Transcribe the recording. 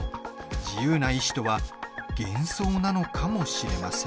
自由な意志とは幻想なのかもしれません。